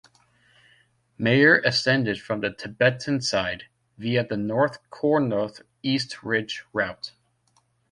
Meyer ascended from the Tibetan side, via the North Col-North East Ridge route.